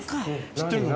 知ってるの？